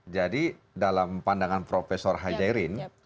jadi dalam pandangan profesor hajairin